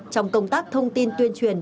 trong công tác thông tin tuyên truyền